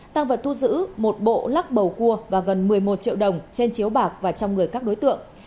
tăng vật thu giữ một bộ lắc bầu cua và gần một mươi một triệu đồng trên chiếu bạc và trong người các đối tượng